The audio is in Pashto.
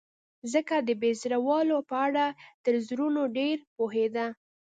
ځکه د بې زړه والاو په اړه تر زړورو ډېر پوهېده.